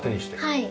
はい。